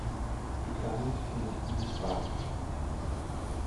He died in Wiesbaden.